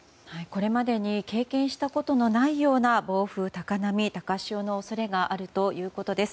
これまでに経験したことがないような暴風、高波、高潮の恐れがあるということです。